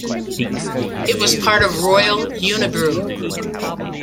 It was part of Royal Unibrew.